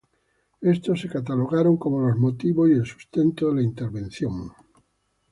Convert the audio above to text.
Estos se catalogaron como los motivos y el sustento de la intervención.